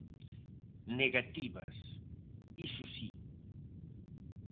Negativas, iso si.